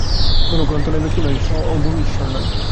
কোন গ্রন্থ নয়, ব্যক্তি নয়, সগুণ ঈশ্বর নয়।